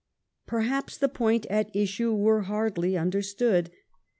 Perhaps the points at issue were hardly understood.